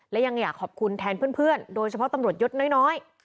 และยังอยากขอบคุณแทนเพื่อนโดยเฉพาะตำรวจยศน้อย